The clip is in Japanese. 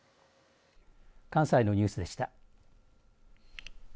関西のニュースでした。